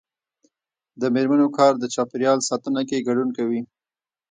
د میرمنو کار د چاپیریال ساتنه کې ګډون کوي.